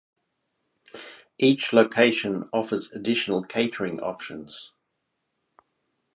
Each location offers additional catering options.